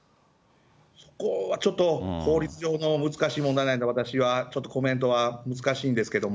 そこはちょっと法律上の難しい問題なので、私はちょっとコメントは難しいんですけれども。